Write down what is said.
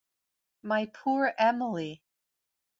My poor Emily!